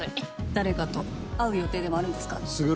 誰かと会う予定でもあるんですか？